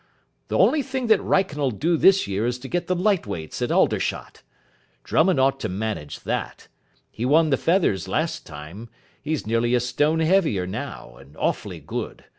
The only thing that Wrykyn'll do this year is to get the Light Weights at Aldershot. Drummond ought to manage that. He won the Feathers last time. He's nearly a stone heavier now, and awfully good.